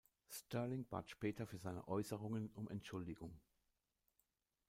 Sterling bat später für seine Äußerungen um Entschuldigung.